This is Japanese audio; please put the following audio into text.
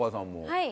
はい。